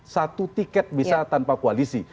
satu tiket bisa tanpa koalisi